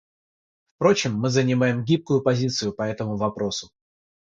Впрочем, мы занимаем гибкую позицию по этому вопросу.